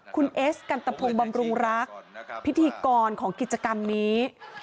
คุณเอสกันตะพงบำรุงรักพิธีกรของกิจกรรมนี้